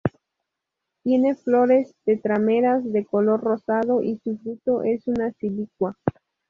Tiene flores tetrámeras de color rosado y su fruto es una silicua.